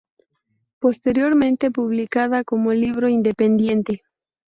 Posteriormente publicada como libro independiente.